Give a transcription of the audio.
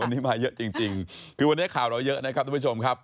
วันนี้มาเยอะจริงคือวันนี้ข่าวเราเยอะนะครับทุกผู้ชมครับ